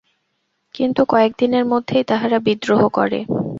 কিন্তু কয়েকদিনের মধ্যেই তাহারা বিদ্রোহ করে।